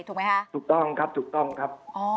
ถูกไหมคะถูกต้องครับถูกต้องครับ